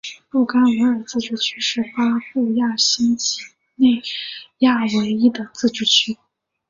布干维尔自治区是巴布亚新几内亚唯一的自治区。